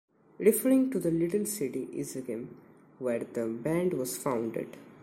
Referring to the little city Izegem where the band was founded.